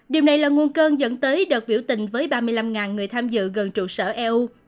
điều này là nguồn cơn dẫn tới đợt biểu tình với ba mươi năm người tham dự gần trụ sở eu